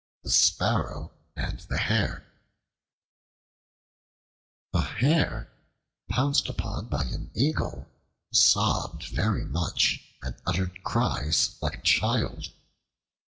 The Sparrow and the Hare A HARE pounced upon by an eagle sobbed very much and uttered cries like a child.